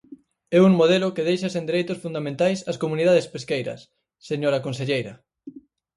É un modelo que deixa sen dereitos fundamentais as comunidades pesqueiras, señora conselleira.